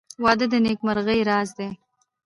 • واده د نېکمرغۍ راز دی.